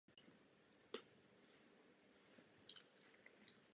Musíme také pracovat bok po boku s místními nevládními organizacemi.